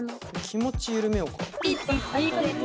気持ち緩めようか。